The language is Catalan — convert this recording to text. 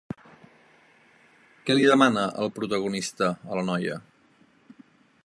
Què li demana el protagonista a la noia?